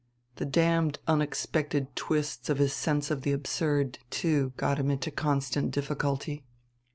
The damned unexpected twists of his sense of the absurd, too, got him into constant difficulty.